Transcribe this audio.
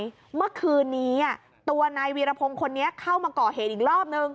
เมื่อคืนนี้ตัวนายวีรพงศ์คนนี้เข้ามาก่อเหตุอีกรอบนึง